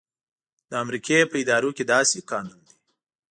د امریکې په ادارو کې داسې قانون دی.